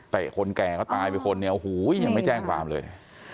คนแก่เขาตายไปคนเนี่ยโอ้โหยังไม่แจ้งความเลย